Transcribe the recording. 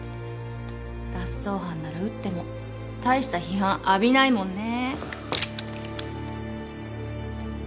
脱走犯なら撃っても大した批判浴びないもんね。